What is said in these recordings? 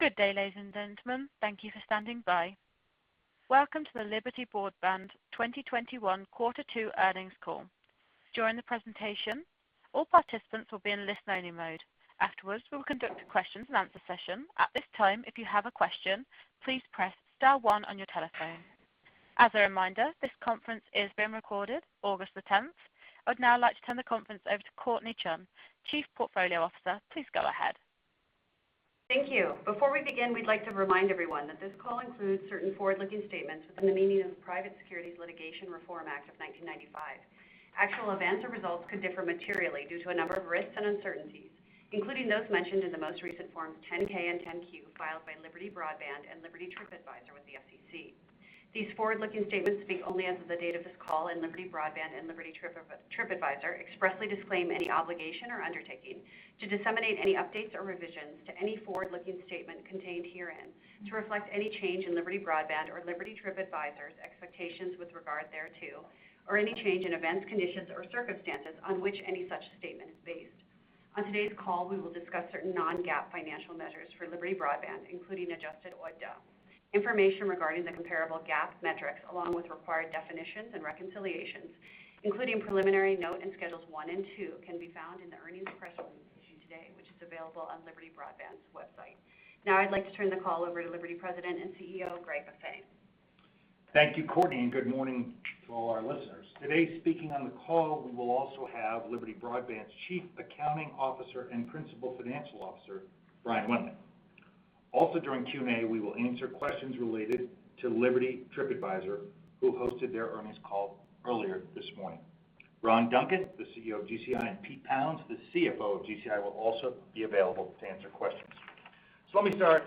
Good day, ladies and gentlemen. Thank you for standing by. Welcome to the Liberty Broadband 2021 quarter two earnings call. During the presentation, all participants will be in listen only mode. Afterwards, we will conduct a questions and answer session. At this time, if you have a question, please press star one on your telephone. As a reminder, this conference is being recorded August 10th. I would now like to turn the conference over to Courtnee Chun, Chief Portfolio Officer. Please go ahead. Thank you. Before we begin, we'd like to remind everyone that this call includes certain forward-looking statements within the meaning of the Private Securities Litigation Reform Act of 1995. Actual events or results could differ materially due to a number of risks and uncertainties, including those mentioned in the most recent forms 10-K and 10-Q filed by Liberty Broadband and Liberty TripAdvisor with the SEC. These forward-looking statements speak only as of the date of this call, and Liberty Broadband and Liberty TripAdvisor expressly disclaim any obligation or undertaking to disseminate any updates or revisions to any forward-looking statement contained herein to reflect any change in Liberty Broadband or Liberty TripAdvisor's expectations with regard thereto, or any change in events, conditions, or circumstances on which any such statement is based. On today's call, we will discuss certain non-GAAP financial measures for Liberty Broadband, including adjusted OIBDA. Information regarding the comparable GAAP metrics, along with required definitions and reconciliations, including preliminary note in schedules one and two, can be found in the earnings press release issued today, which is available on Liberty Broadband's website. Now I'd like to turn the call over to Liberty President and CEO, Greg Maffei. Thank you, Courtnee, and good morning to all our listeners. Today, speaking on the call, we will also have Liberty Broadband's Chief Accounting Officer and Principal Financial Officer, Brian Wendling. During Q&A, we will answer questions related to Liberty TripAdvisor, who hosted their earnings call earlier this morning. Ron Duncan, the CEO of GCI, and Pete Pounds, the CFO of GCI, will also be available to answer questions. Let me start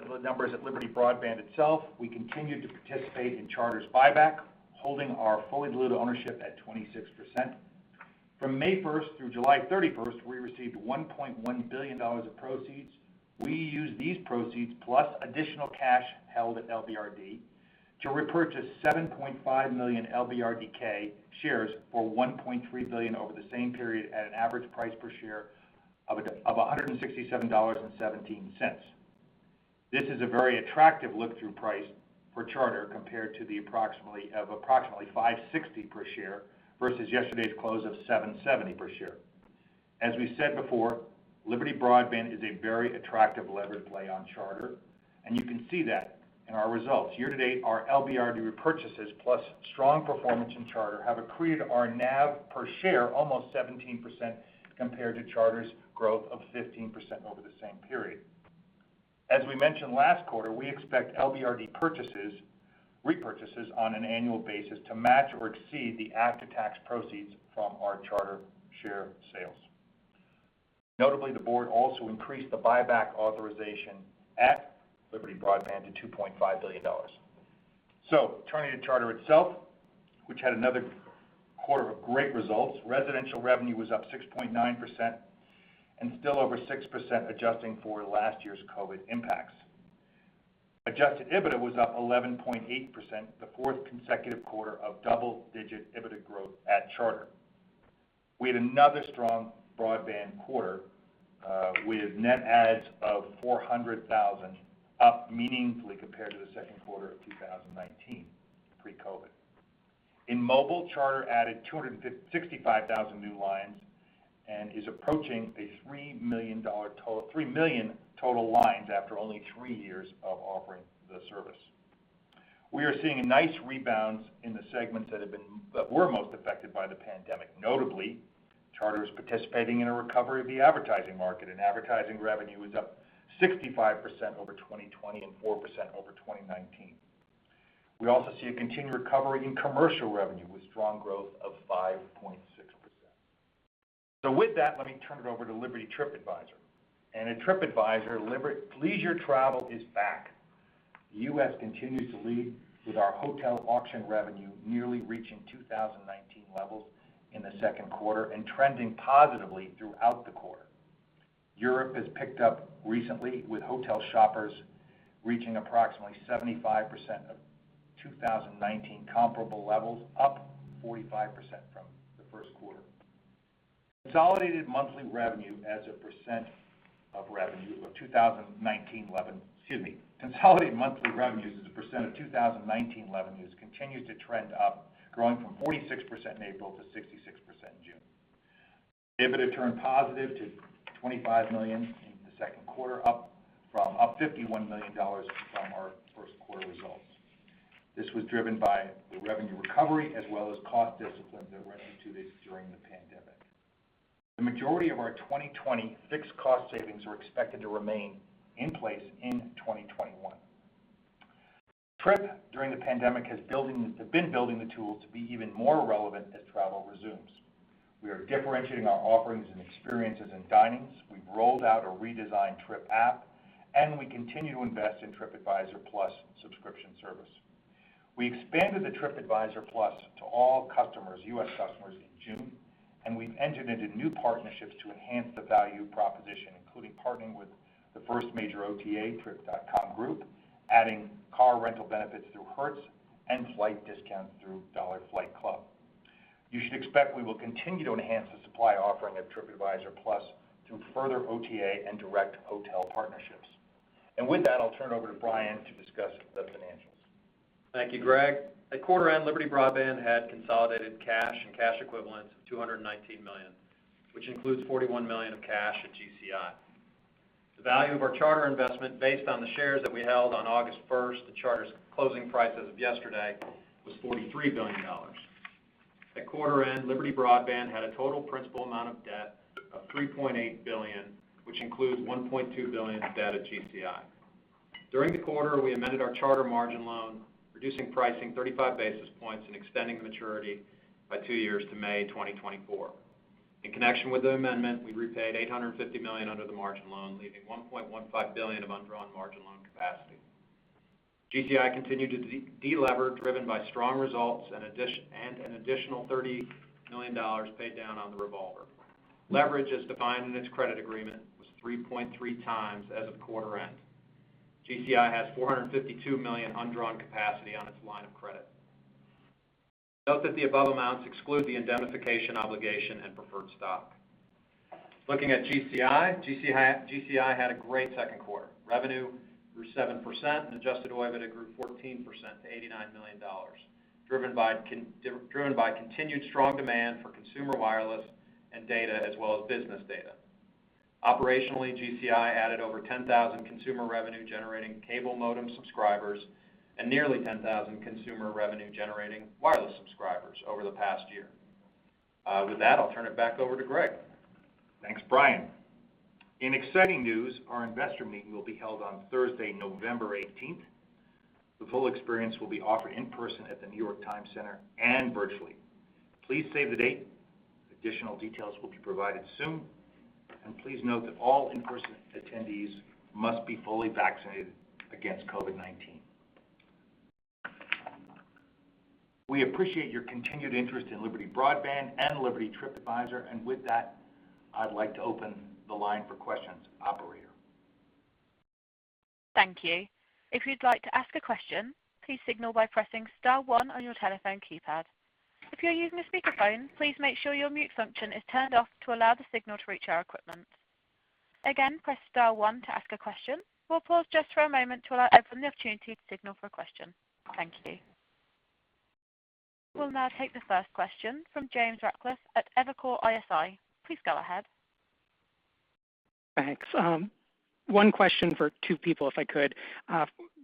with the numbers at Liberty Broadband itself. We continued to participate in Charter's buyback, holding our fully diluted ownership at 26%. From May 1st through July 31st, we received $1.1 billion of proceeds. We used these proceeds, plus additional cash held at LBRD, to repurchase 7.5 million LBRDK shares for $1.3 billion over the same period at an average price per share of $167.17. This is a very attractive look-through price for Charter compared to approximately $5.60 per share versus yesterday's close of $7.70 per share. As we said before, Liberty Broadband is a very attractive levered play on Charter, and you can see that in our results. Year to date, our LBRD repurchases, plus strong performance in Charter, have accreted our NAV per share almost 17% compared to Charter's growth of 15% over the same period. As we mentioned last quarter, we expect LBRD repurchases on an annual basis to match or exceed the after-tax proceeds from our Charter share sales. Notably, the board also increased the buyback authorization at Liberty Broadband to $2.5 billion. Turning to Charter itself, which had another quarter of great results. Residential revenue was up 6.9% and still over 6% adjusting for last year's COVID impacts. Adjusted EBITDA was up 11.8%, the fourth consecutive quarter of double-digit EBITDA growth at Charter. We had another strong broadband quarter, with net adds of 400,000, up meaningfully compared to the second quarter of 2019, pre-COVID. In mobile, Charter added 265,000 new lines and is approaching a 3 million total lines after only three years of offering the service. We are seeing nice rebounds in the segments that were most affected by the pandemic. Notably, Charter is participating in a recovery of the advertising market, and advertising revenue is up 65% over 2020 and 4% over 2019. We also see a continued recovery in commercial revenue with strong growth of 5.6%. With that, let me turn it over to Liberty TripAdvisor. At TripAdvisor, leisure travel is back. The U.S. continues to lead with our hotel auction revenue nearly reaching 2019 levels in the second quarter and trending positively throughout the quarter. Europe has picked up recently with hotel shoppers reaching approximately 75% of 2019 comparable levels, up 45% from the first quarter. Consolidated monthly revenues as a percent of 2019 revenues continues to trend up, growing from 46% in April to 66% in June. EBITDA turned positive to $25 million in the second quarter, up $51 million from our first quarter results. This was driven by the revenue recovery as well as cost discipline that was instituted during the pandemic. The majority of our 2020 fixed cost savings are expected to remain in place in 2021. TripAdvisor, during the pandemic, has been building the tools to be even more relevant as travel resumes. We are differentiating our offerings and experiences in dinings. We've rolled out a redesigned Trip app, and we continue to invest in Tripadvisor Plus subscription service. We expanded the Tripadvisor Plus to all U.S. customers in June, and we've entered into new partnerships to enhance the value proposition, including partnering with the first major OTA, Trip.com Group, adding car rental benefits through Hertz, and flight discounts through Dollar Flight Club. You should expect we will continue to enhance the supply offering of Tripadvisor Plus through further OTA and direct hotel partnerships. With that, I'll turn over to Brian to discuss the financials. Thank you, Greg. At quarter end, Liberty Broadband had consolidated cash and cash equivalents of $219 million, which includes $41 million of cash at GCI. The value of our Charter investment, based on the shares that we held on August 1st to Charter's closing price as of yesterday, was $43 billion. At quarter end, Liberty Broadband had a total principal amount of debt of $3.8 billion, which includes $1.2 billion of debt at GCI. During the quarter, we amended our Charter margin loan, reducing pricing 35 basis points and extending the maturity by two years to May 2024. In connection with the amendment, we repaid $850 million under the margin loan, leaving $1.15 billion of undrawn margin loan capacity. GCI continued to de-lever, driven by strong results and an additional $30 million paid down on the revolver. Leverage as defined in its credit agreement was 3.3x as of quarter end. GCI has $452 million undrawn capacity on its line of credit. Note that the above amounts exclude the indemnification obligation and preferred stock. Looking at GCI had a great second quarter. Revenue grew 7%, and adjusted OIBDA grew 14% to $89 million, driven by continued strong demand for consumer wireless and data as well as business data. Operationally, GCI added over 10,000 consumer revenue generating cable modem subscribers and nearly 10,000 consumer revenue generating wireless subscribers over the past year. With that, I'll turn it back over to Greg. Thanks, Brian. In exciting news, our investor meeting will be held on Thursday, November 18th. The full experience will be offered in person at the New York Times Center and virtually. Please save the date. Additional details will be provided soon, and please note that all in-person attendees must be fully vaccinated against COVID-19. We appreciate your continued interest in Liberty Broadband and Liberty TripAdvisor. With that, I'd like to open the line for questions. Operator? Thank you. If you'd like to ask a question, please signal by pressing star one on your telephone keypad. If you're using a speakerphone, please make sure your mute function is turned off to allow the signal to reach our equipment. Again, press star one to ask a question. We'll pause just for a moment to allow everyone the opportunity to signal for a question. Thank you. We'll now take the first question from James Ratcliffe at Evercore ISI. Please go ahead. Thanks. One question for two people, if I could.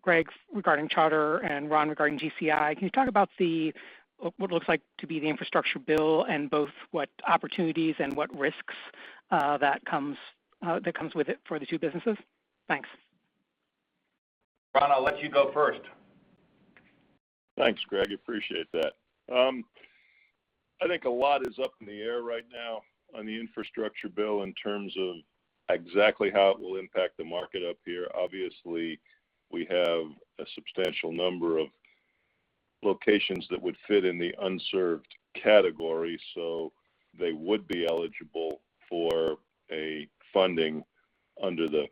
Greg, regarding Charter, and Ron, regarding GCI, can you talk about what looks like to be the infrastructure bill and both what opportunities and what risks that comes with it for the two businesses? Thanks. Ron, I'll let you go first. Thanks, Greg. Appreciate that. I think a lot is up in the air right now on the infrastructure bill in terms of exactly how it will impact the market up here. Obviously, we have a substantial number of locations that would fit in the unserved category, so they would be eligible for a funding under the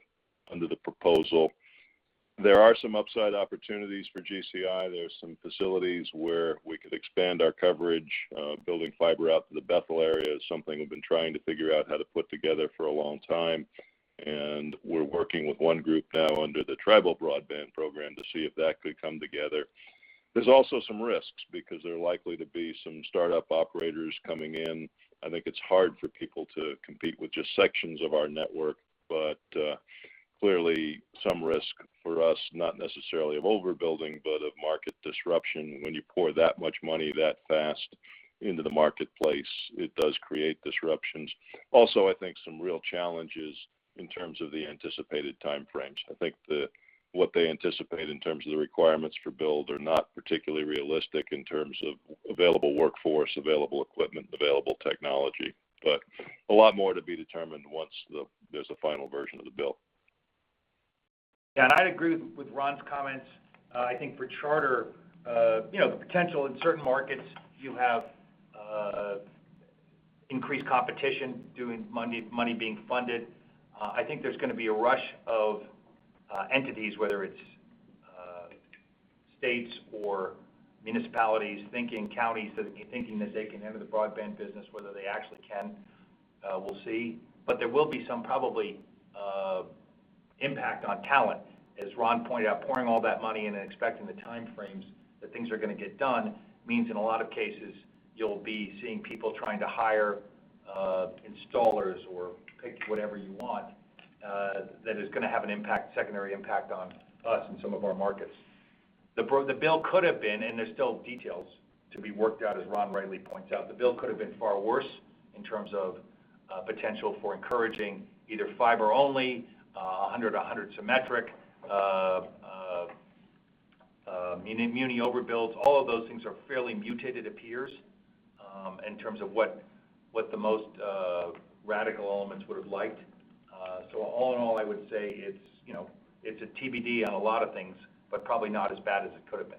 proposal. There are some upside opportunities for GCI. There are some facilities where we could expand our coverage. Building fiber out to the Bethel area is something we've been trying to figure out how to put together for a long time, and we're working with one group now under the Tribal Broadband Program to see if that could come together. There's also some risks because there are likely to be some startup operators coming in. I think it's hard for people to compete with just sections of our network, but clearly some risk for us, not necessarily of overbuilding, but of market disruption. When you pour that much money that fast into the marketplace, it does create disruptions. I think some real challenges in terms of the anticipated time frames. I think that what they anticipate in terms of the requirements for build are not particularly realistic in terms of available workforce, available equipment, available technology. A lot more to be determined once there's a final version of the bill. I'd agree with Ron's comments. I think for Charter, the potential in certain markets, you have increased competition, money being funded. I think there's going to be a rush of entities, whether it's states or municipalities, thinking counties, thinking that they can enter the broadband business. Whether they actually can, we'll see. There will be some, probably, impact on talent. As Ron pointed out, pouring all that money in and expecting the time frames that things are going to get done means in a lot of cases you'll be seeing people trying to hire installers or pick whatever you want. That is going to have a secondary impact on us and some of our markets. The bill could have been, and there's still details to be worked out, as Ron rightly points out, the bill could have been far worse in terms of potential for encouraging either fiber only, 100/100 symmetric, muni over builds. All of those things are fairly muted, it appears, in terms of what the most radical elements would have liked. All in all, I would say it's a TBD on a lot of things, but probably not as bad as it could have been.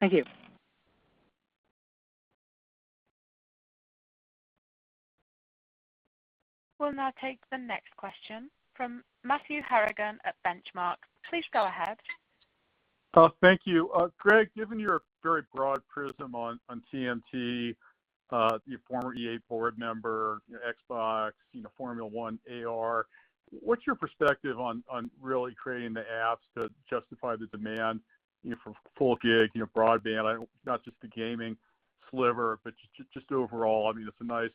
Thank you. We'll now take the next question from Matthew Harrigan at Benchmark. Please go ahead. Thank you. Greg, given your very broad prism on TMT, you're a former EA board member, Xbox, Formula one, AR, what's your perspective on really creating the apps that justify the demand for full gig broadband? Not just the gaming sliver, but just overall. It's a nice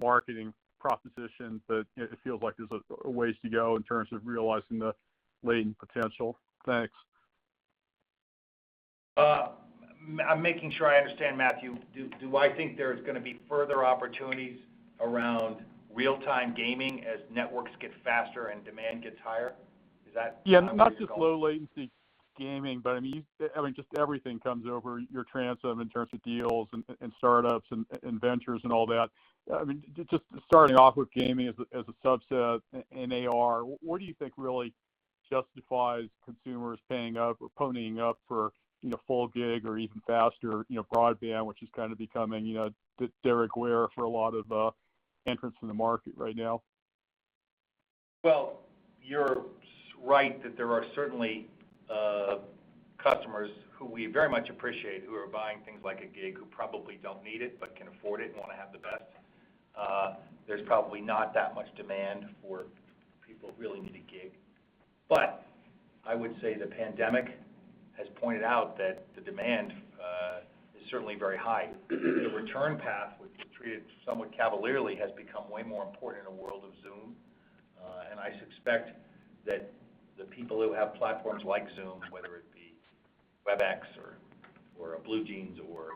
marketing proposition, but it feels like there's a ways to go in terms of realizing the latent potential. Thanks. I'm making sure I understand, Matthew. Do I think there's going to be further opportunities around real-time gaming as networks get faster and demand gets higher? Is that where you're going? Yeah, not just low latency gaming, but just everything comes over your transom in terms of deals and startups and ventures and all that. Just starting off with gaming as a subset and AR, what do you think really justifies consumers paying up or ponying up for full gig or even faster broadband, which is kind of becoming the de rigueur for a lot of entrants in the market right now? Well, you're right that there are certainly customers who we very much appreciate who are buying things like a gig, who probably don't need it, but can afford it and want to have the best. There's probably not that much demand for people who really need a gig. I would say the pandemic has pointed out that the demand is certainly very high. The return path, which was treated somewhat cavalierly, has become way more important in a world of Zoom. I suspect that the people who have platforms like Zoom, whether it be Webex or a BlueJeans or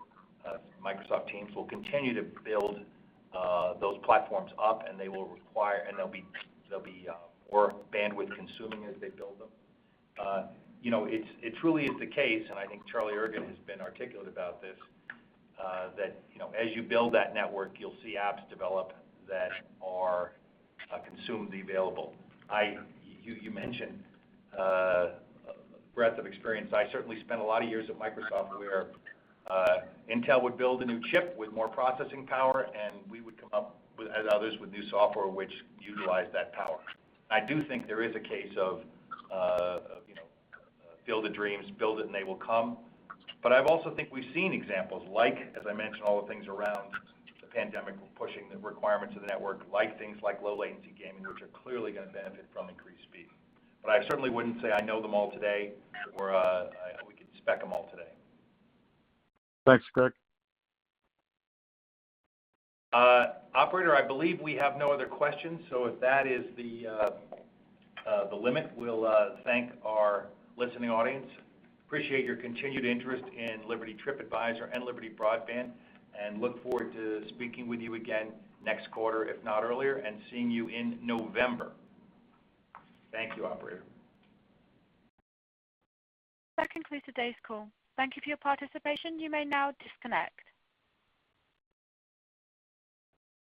Microsoft Teams, will continue to build those platforms up, and they'll be more bandwidth consuming as they build them. It truly is the case, and I think Charlie Ergen has been articulate about this, that as you build that network, you'll see apps develop that are consumed available. You mentioned breadth of experience. I certainly spent a lot of years at Microsoft where Intel would build a new chip with more processing power, and we would come up, as others, with new software which utilized that power. I do think there is a case of field of dreams, build it and they will come. I also think we've seen examples like, as I mentioned, all the things around the pandemic pushing the requirements of the network, like things like low latency gaming, which are clearly going to benefit from increased speed. I certainly wouldn't say I know them all today, or we could spec them all today. Thanks, Greg. Operator, I believe we have no other questions. If that is the limit, we'll thank our listening audience. We appreciate your continued interest in Liberty TripAdvisor and Liberty Broadband, and look forward to speaking with you again next quarter, if not earlier, and seeing you in November. Thank you, operator. That concludes today's call. Thank you for your participation. You may now disconnect.